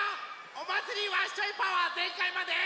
おまつりワッショイパワーぜんかいまで。